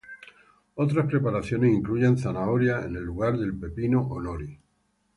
Otras preparaciones incluyen zanahoria en el lugar del pepino o nori.